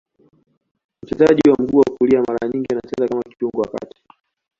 Mchezaji wa mguu ya kulia, mara nyingi anacheza kama kiungo wa kati.